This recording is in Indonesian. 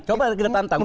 coba di depan tanggung